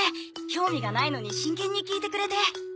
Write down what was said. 興味がないのに真剣に聞いてくれて。